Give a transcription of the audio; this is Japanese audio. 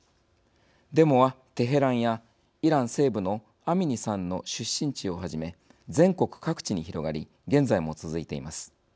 デモは、テヘランやイラン西部のアミニさんの出身地をはじめ全国各地に広がり現在も続いています。